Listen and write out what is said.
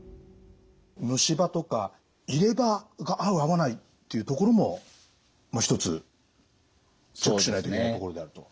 虫歯とか入れ歯が合う合わないっていうところも一つチェックしないといけないところであると。